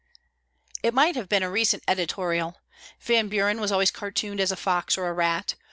It might have been a recent editorial. Van Buren was always cartooned as a fox or a rat.